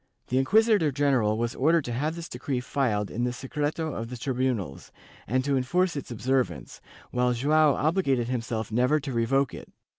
The inquisitor general was ordered to have this decree filed in the secreto of the tribunals, and to enforce its observance, while Joao obligated himself never to revoke it.